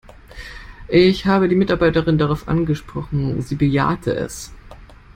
Ich habe die Mitarbeiterin darauf angesprochen, sie bejahte es.